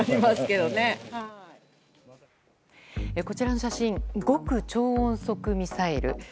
こちらの写真極超音速ミサイル。